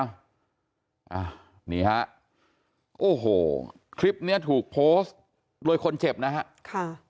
อ่านี่ฮะโอ้โหคลิปเนี้ยถูกโพสต์โดยคนเจ็บนะฮะค่ะ